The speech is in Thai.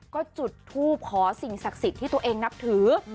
ก็จุดทูปขอสิ่งศักดิ์สิทธิ์ที่ตัวเองนับถือ